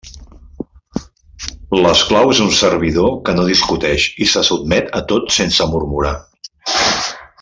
L'esclau és un servidor que no discuteix i se sotmet a tot sense murmurar.